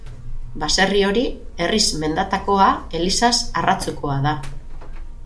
Baserri hori, herriz Mendatakoa, elizaz Arratzukoa da.